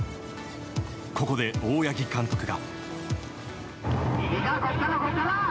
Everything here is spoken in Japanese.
ここで大八木監督が。